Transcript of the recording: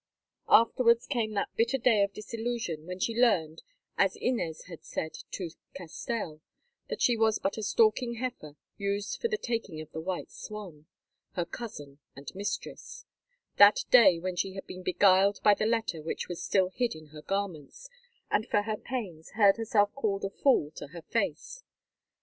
Afterwards came that bitter day of disillusion when she learned, as Inez had said to Castell, that she was but a stalking heifer used for the taking of the white swan, her cousin and mistress—that day when she had been beguiled by the letter which was still hid in her garments, and for her pains heard herself called a fool to her face.